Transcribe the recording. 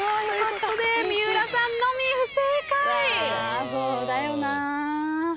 あそうだよな。